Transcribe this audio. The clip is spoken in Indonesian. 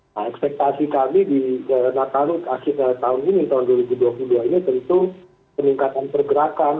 nah ekspektasi kami di nataru tahun ini tahun dua ribu dua puluh dua ini tentu peningkatan pergerakan